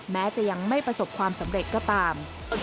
แม้จะยังไม่ประสบความสำเร็จก็ตาม